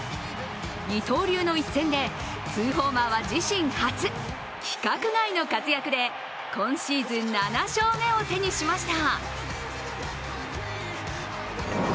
二刀流の一戦で２ホーマーは自身初規格外の活躍で今シーズン７勝目を手にしました。